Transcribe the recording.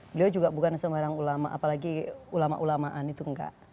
beliau juga bukan sembarang ulama apalagi ulama ulamaan itu enggak